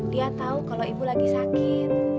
dia tahu kalau ibu lagi sakit